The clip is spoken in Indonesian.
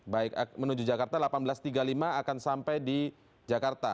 baik menuju jakarta seribu delapan ratus tiga puluh lima akan sampai di jakarta